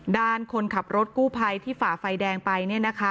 ด้านคนขับรถกู้พัยที่ฝาไฟแดงไปเนี่ยนะคะ